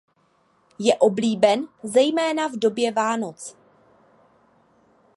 Je oblíben zejména v době Vánoc.